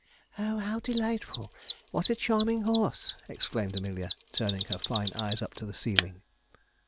'Oh, how delightful! what a charming horse!' exclaimed Amelia, turning her fine eyes up to the ceiling.